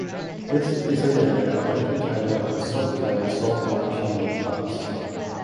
This is an area of intertidal and subtidal saltmarsh and mudflats.